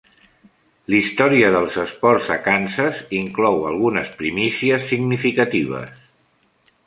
L'historia dels esports a Kansas inclou algunes primícies significatives.